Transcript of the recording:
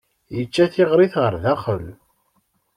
Yečča tiɣrit ɣer daxel.